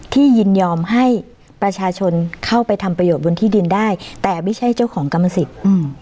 ยินยอมให้ประชาชนเข้าไปทำประโยชน์บนที่ดินได้แต่ไม่ใช่เจ้าของกรรมสิทธิ์อืม